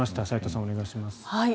斎藤さん、お願いします。